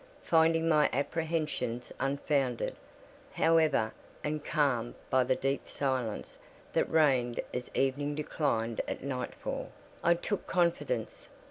Finding my apprehensions unfounded, however, and calmed by the deep silence that reigned as evening declined at nightfall, I took confidence.